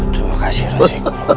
terima kasih rasikul